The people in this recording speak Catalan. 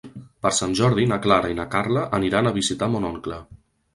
Per Sant Jordi na Clara i na Carla aniran a visitar mon oncle.